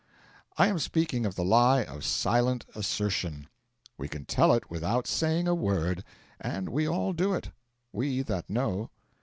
I am speaking of the lie of silent assertion; we can tell it without saying a word, and we all do it we that know.